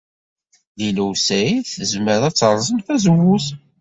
Lila u Saɛid tezmer ad terẓem tazewwut.